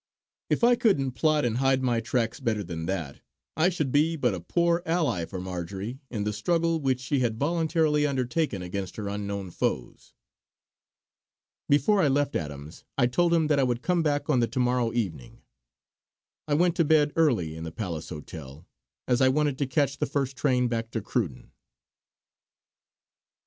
If I couldn't plot and hide my tracks better than that, I should be but a poor ally for Marjory in the struggle which she had voluntarily undertaken against her unknown foes. Before I left Adams, I told him that I would come back on the to morrow evening. I went to bed early in the Palace hotel, as I wanted to catch the first train back to Cruden.